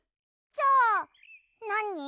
じゃあなに？